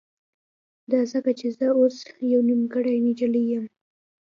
دا ځکه چې زه اوس يوه نيمګړې نجلۍ يم.